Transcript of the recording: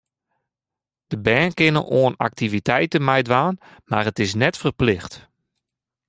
De bern kinne oan aktiviteiten meidwaan, mar it is net ferplicht.